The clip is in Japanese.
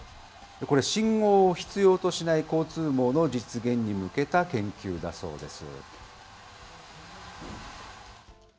これ、信号を必要としない交通網の実現に向けた研究だそうです。